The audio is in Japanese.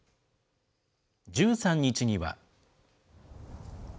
１３日には。